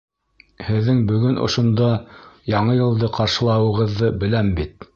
Һеҙҙең бөгөн ошонда Яңы йылды ҡаршылауығыҙҙы беләм бит.